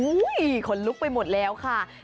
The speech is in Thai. ขนลุกไปหมดแล้วค่ะ